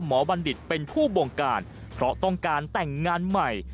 บัณฑิตเป็นผู้บงการเพราะต้องการแต่งงานใหม่